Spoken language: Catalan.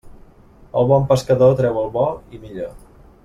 El bon pescador treu el bo i millor.